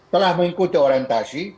telah mengikuti orientasi